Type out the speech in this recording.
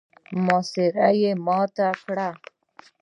محاصره يې ماته کړه.